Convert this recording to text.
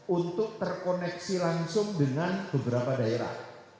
untuk terkoneksi langsung dengan beberapa daerah